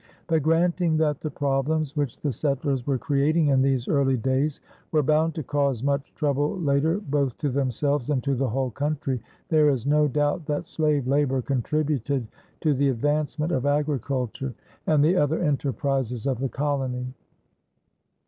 But granting that the problems which the settlers were creating in these early days were bound to cause much trouble later both to themselves and to the whole country, there is no doubt that slave labor contributed to the advancement of agriculture and the other enterprises of the colony.